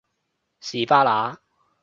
士巴拿